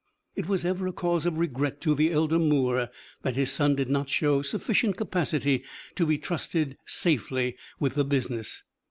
It was ever a cause of regret to the elder Moore that his son did not show sufficient capacity to be trusted safely with the business.